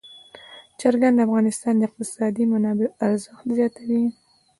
چرګان د افغانستان د اقتصادي منابعو ارزښت زیاتوي.